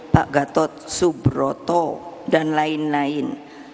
pak gatot subroto dan lain lain